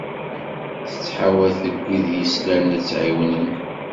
Tettḥawat deg wid i d-yeslan ad tt-ɛiwnen.